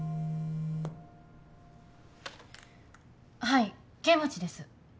はい剣持です。